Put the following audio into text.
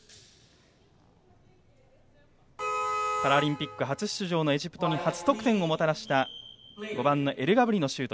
パラリンピック初出場のエジプトに初得点をもたらした５番、エルガブリのシュート。